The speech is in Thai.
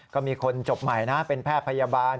ก็มีคนจบใหม่นะเป็นแพทย์พยาบาล